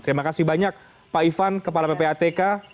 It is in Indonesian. terima kasih banyak pak ivan kepala ppatk